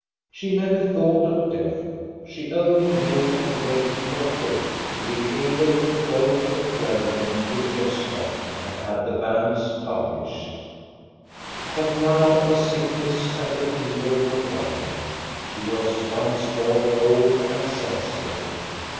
She never thought of death; she only lay and waited for health, to be able to go to the clergyman with Gosta and have the banns published. But now the sickness and the fever were gone. She was once more cold and sensible.